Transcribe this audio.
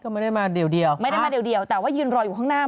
ไม่ได้มาเดียวแต่ว่ายืนรออยู่ข้างหน้า